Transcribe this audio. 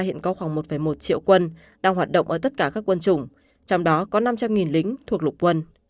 hiện có khoảng một một triệu quân đang hoạt động ở tất cả các quân chủng trong đó có năm trăm linh lính thuộc lục quân